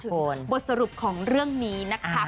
บทสรุปของเรื่องนี้นะคะ